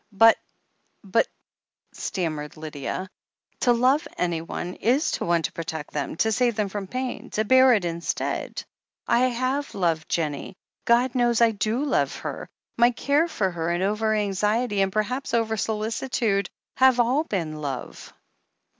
"But — ^but," stammered Lydia, "to love anyone is 470 THE HEEL OF ACHILLES 471 to want to protect them — ^to save them from pain — to bear it instead. I have loved Jennie, God knows— I do love her. My care for her, and over anxiety, and perhaps over solicitude, have all been love."